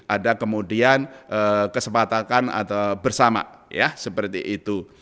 ada kemudian kesepakatan bersama seperti itu